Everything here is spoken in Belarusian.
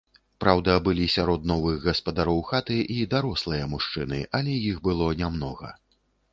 Праўда, былі сярод новых гаспадароў хаты і дарослыя мужчыны, але іх было нямнога.